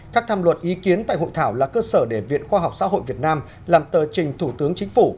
các tham luận ý kiến tại hội thảo là cơ sở để viện khoa học xã hội việt nam làm tờ trình thủ tướng chính phủ